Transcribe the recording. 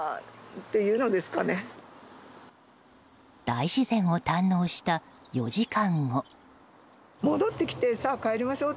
大自然を堪能した４時間後。